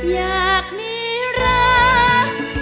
อยากมีรัก